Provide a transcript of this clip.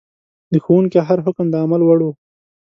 د ښوونکي هر حکم د عمل وړ و.